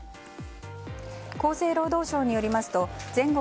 厚生労働省によりますと全国